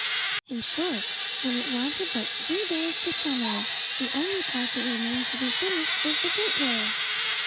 In short, when it wanted but three days to summer the only part that remained to be finished was the gateway.